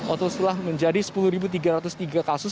atau setelah menjadi sepuluh tiga ratus tiga kasus